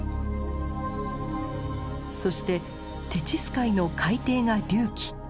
そしてテチス海の海底が隆起。